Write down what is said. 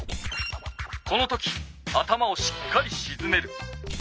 この時頭をしっかりしずめる。